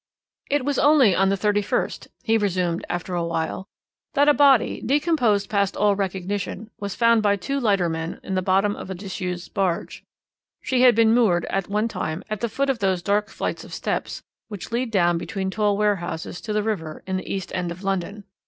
"It was only on the 31st," he resumed after a while, "that a body, decomposed past all recognition, was found by two lightermen in the bottom of a disused barge. She had been moored at one time at the foot of one of those dark flights of steps which lead down between tall warehouses to the river in the East End of London.